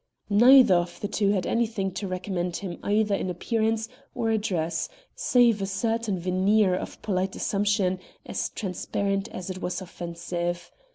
Neither of the two had anything to recommend him either in appearance or address, save a certain veneer of polite assumption as transparent as it was offensive.